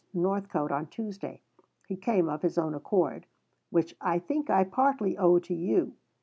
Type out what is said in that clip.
Northcote on Tuesday. He came of his own accord which I think I partly owe to you.